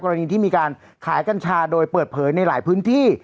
กรณีที่มีการขายกัญชาโดยเปิดเผยในหลายพื้นที่